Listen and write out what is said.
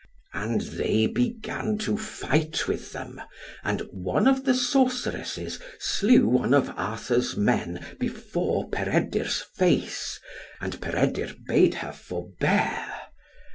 And they began to fight with them, and one of the sorceresses slew one of Arthur's men before Peredur's face, and Peredur bade her forbear.